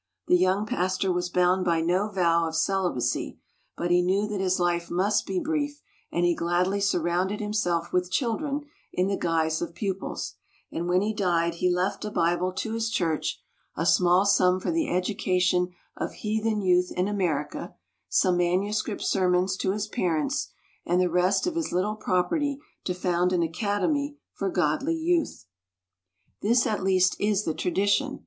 The young pastor was bound by no vow of celibacy, but he knew that his life must be brief, and he gladly surrounded himself with children in the guise of pupils, and when he died he left a Bible to his church, a small sum for the education of heathen youth in America, some manuscript sermons to his parents, and the rest of his little property to found an academy for godly youth. This at least is the tradition.